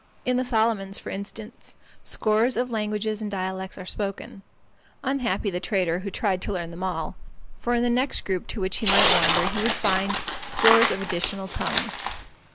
In the Solomons, for instance, scores of languages and dialects are spoken. Unhappy the trader who tried to learn them all; for in the next group to which he might wander he would find scores of additional tongues.